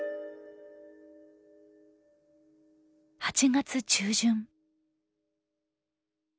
８月中旬。